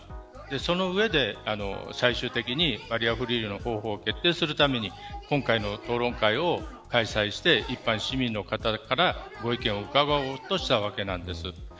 その上で最終的にバリアフリーの方法を決定するために今回の討論会を開催して一般市民の方からご意見を伺おうとしたわけなんです。